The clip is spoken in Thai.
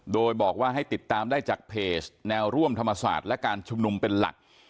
โดยบอกว่าให้ติดตามได้จากเพจแนวร่วมธรรมศาสตร์และการชุมนุมเป็นหลัก